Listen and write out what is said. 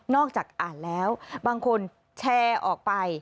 จากอ่านแล้วบางคนแชร์ออกไป